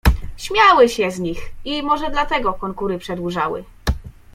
"Śmiały się z nich, i może dlatego konkury przedłużały."